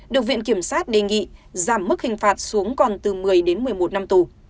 được viện kiểm sát đề nghị giảm mức hình phạt xuống còn từ một mươi đến một mươi một năm tù